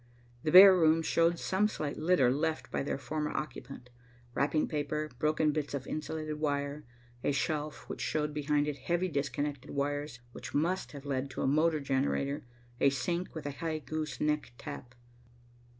The bare rooms showed some slight litter left by their former occupant, wrapping paper, broken bits of insulated wire, a shelf which showed behind it heavy disconnected wires which must have led to a motor generator, a sink with high goose neck tap.